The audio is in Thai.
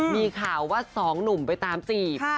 มีข่าวว่าสองหนุ่มไปตามจีบ